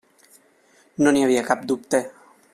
No n'hi havia cap dubte.